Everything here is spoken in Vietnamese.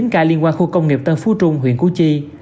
một mươi chín ca liên quan khu công nghiệp tân phú trung huyện cú chi